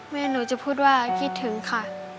แม่หนูจะพูดว่าคิดถึงค่ะ